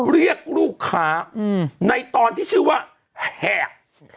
เรียกลูกค้าในตอนที่ชื่อว่าแหก